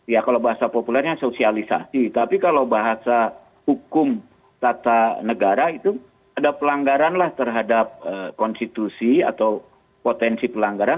ya kalau bahasa populernya sosialisasi tapi kalau bahasa hukum tata negara itu ada pelanggaran lah terhadap konstitusi atau potensi pelanggaran